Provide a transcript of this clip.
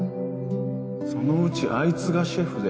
そのうちあいつがシェフで